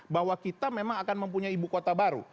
bahwa kita memang akan mempunyai ibu kota baru